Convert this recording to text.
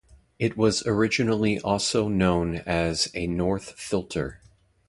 It was originally also known as a "North filter".